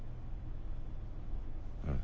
うん。